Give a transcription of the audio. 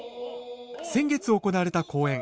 先月行われた公演